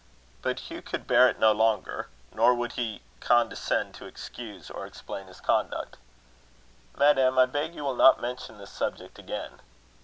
But Hugh could bear it no longer; nor would he condescend to excuse or explain his conduct. "Madam, I beg you will not mention this subject again."